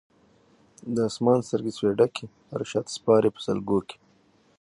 د اسمان سترګي سوې ډکي رشاد سپاري په سلګو کي